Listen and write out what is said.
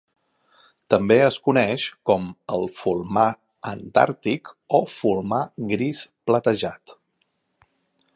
També es coneix com el fulmar antàrtic o fulmar gris platejat.